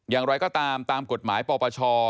อย่างไรก็ตามตามกฎหมายปปช